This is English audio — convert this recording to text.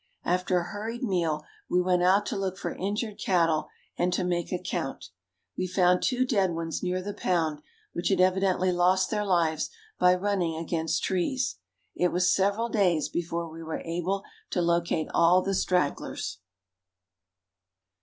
After a hurried meal we went out to look for injured cattle and to make a count. We found two dead ones near the pound, which had evidently lost their lives by running against trees. It was several days before we were able to locate all the stragglers.